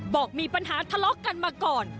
บอกมีปัญหาทะเลาะกันมาก่อน